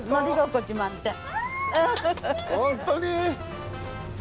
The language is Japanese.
本当に？